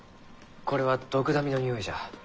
これはドクダミのにおいじゃ。